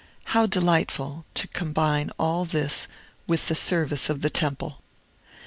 How delightful, to combine all this with the service of the temple!